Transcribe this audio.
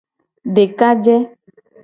Dekaje.